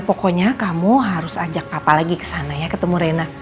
pokoknya kamu harus ajak apa lagi kesana ya ketemu rena